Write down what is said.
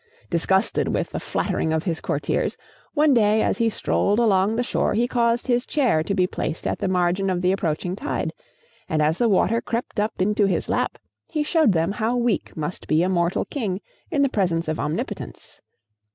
Disgusted with the flattering of his courtiers, one day as he strolled along the shore he caused his chair to be placed at the margin of the approaching tide, and as the water crept up into his lap, he showed them how weak must be a mortal king in the presence of Omnipotence.